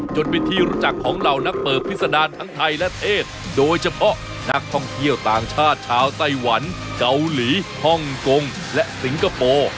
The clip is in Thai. จนเป็นที่รู้จักของเหล่านักเปิดพิษดารทั้งไทยและเทศโดยเฉพาะนักท่องเที่ยวต่างชาติชาวไต้หวันเกาหลีฮ่องกงและสิงคโปร์